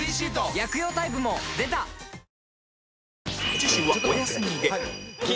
次週はお休みで